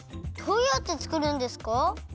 どうやってつくるんですか？